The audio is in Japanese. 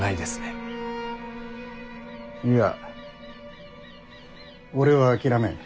いや俺は諦めん。